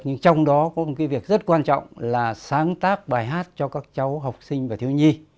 nhưng trong đó có một cái việc rất quan trọng là sáng tác bài hát cho các cháu học sinh và thiếu nhi